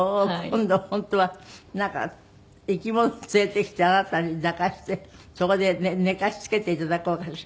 今度本当はなんか生き物連れてきてあなたに抱かせてそこで寝かしつけて頂こうかしら。